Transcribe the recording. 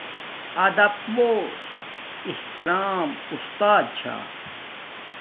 ادپ پو احترام اُستات چھا